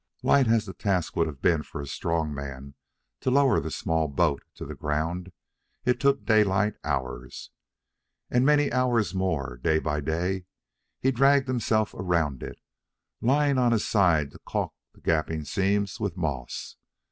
Light as the task would have been for a strong man to lower the small boat to the ground, it took Daylight hours. And many hours more, day by day, he dragged himself around it, lying on his side to calk the gaping seams with moss.